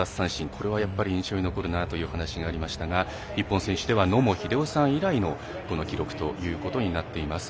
これは印象に残るなというお話がありましたが日本選手では野茂英雄さん以来のこの記録ということになっています。